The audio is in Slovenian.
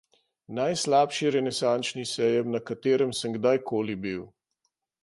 Najslabši Renesančni sejem, na katerem sem kdajkoli bil.